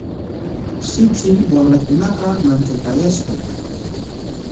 Shipshim wamrakunaqa manchakaayashqa.